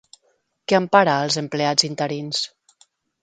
Què empara als empleats interins?